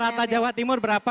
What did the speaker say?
rata jawa timur berapa